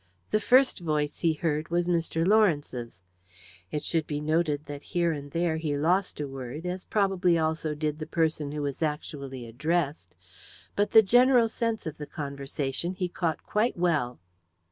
The first voice he heard was Mr. Lawrence's. It should be noted that here and there he lost a word, as probably also did the person who was actually addressed; but the general sense of the conversation he caught quite well.